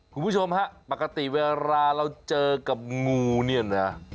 คุณผู้ชมฮะปกติเวลาเราเจอกับงูเนี่ยนะ